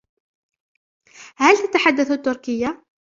هل تتحدث التركية؟